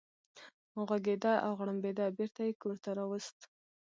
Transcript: غوږېده او غړمبېده، بېرته یې کور ته راوست.